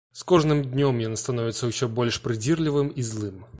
З кожным днём ён становіцца ўсё больш прыдзірлівым і злым.